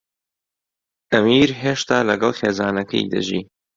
ئەمیر هێشتا لەگەڵ خێزانەکەی دەژی.